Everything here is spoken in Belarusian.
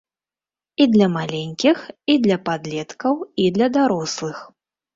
І для маленькіх, і для падлеткаў, і для дарослых.